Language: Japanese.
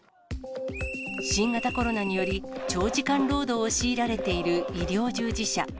新型コロナにより、長時間労働を強いられている医療従事者。